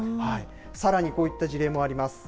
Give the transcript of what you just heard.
さらにこういった事例もあります。